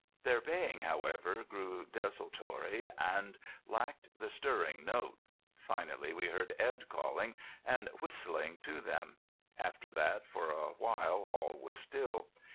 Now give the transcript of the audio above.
Their baying, however, grew desultory, and lacked the stirring note. Finally we heard Edd calling and whistling to them. After that for a while all was still.